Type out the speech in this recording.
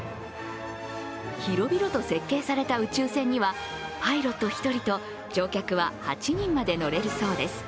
広々と設計された宇宙船には、パイロット１人と乗客は８人まで乗れるそうです。